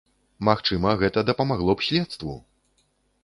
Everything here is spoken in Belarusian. Магчыма, гэта дапамагло б следству!